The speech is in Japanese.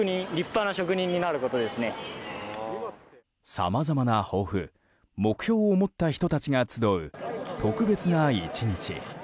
さまざまな抱負、目標を持った人たちが集う特別な１日。